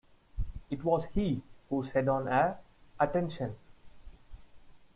It was he who said on air: "Attention.